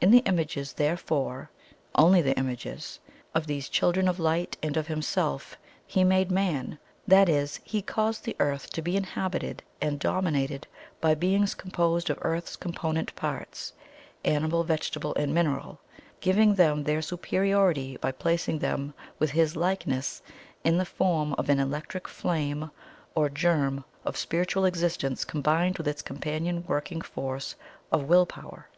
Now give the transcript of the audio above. In the IMAGES, therefore (only the IMAGES), of these Children of Light and of Himself, He made Man that is, He caused the Earth to be inhabited and DOMINATED by beings composed of Earth's component parts, animal, vegetable, and mineral, giving them their superiority by placing within them His 'LIKENESS' in the form of an ELECTRIC FLAME or GERM of spiritual existence combined with its companion working force of WILL POWER.